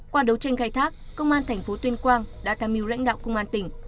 qua đấu tranh khai thác công an tp tuyên quang đã tham mưu lãnh đạo công an tỉnh